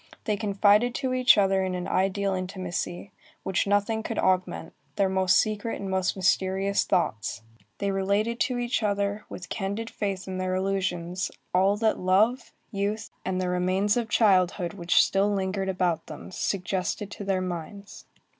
They confided to each other in an ideal intimacy, which nothing could augment, their most secret and most mysterious thoughts. They related to each other, with candid faith in their illusions, all that love, youth, and the remains of childhood which still lingered about them, suggested to their minds.